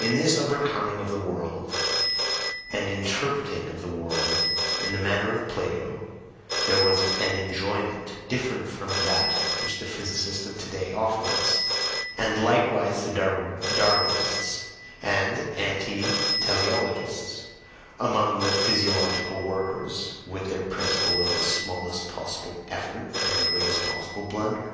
In this overcoming of the world, and interpreting of the world in the manner of Plato, there was an ENJOYMENT different from that which the physicists of today offer us and likewise the Darwinists and anti teleologists among the physiological workers, with their principle of the "smallest possible effort," and the greatest possible blunder.